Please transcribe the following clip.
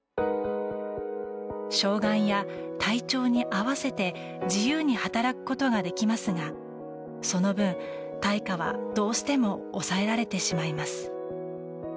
障害や体調に合わせて自由に働くことができますがその分、対価はどうしても抑えられてしまいます。